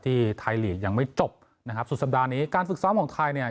ที่ไทยลีกยังไม่จบนะครับสุดสัปดาห์นี้การฝึกซ้อมของไทยเนี่ย